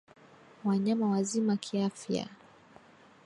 wanyama wazima kiafya